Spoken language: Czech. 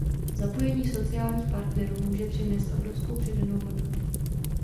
Zapojení sociálních partnerů může přinést obrovskou přidanou hodnotu.